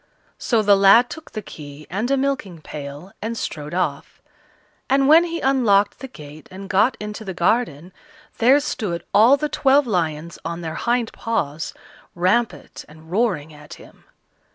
So the lad took the key and a milking pail, and strode off; and when he unlocked the gate and got into the garden, there stood all the twelve lions on their hind paws, rampant and roaring at him.